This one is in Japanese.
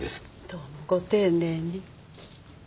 どうもご丁寧に。